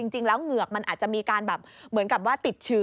เหงือกมันอาจจะมีการแบบเหมือนกับว่าติดเชื้อ